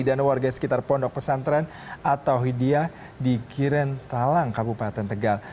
dan warga sekitar pondok pesantren atau hidya di kiren talang kabupaten tegal